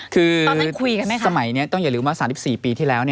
คือสมัยนี้ต้องอย่าลืมว่า๓๔ปีที่แล้ว